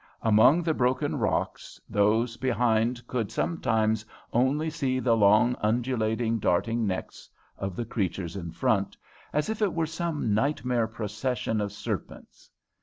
Among the broken rocks those behind could sometimes only see the long, undulating, darting necks of the creatures in front, as if it were some nightmare procession of serpents.